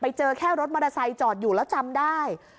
เจอแค่รถมอเตอร์ไซค์จอดอยู่แล้วจำได้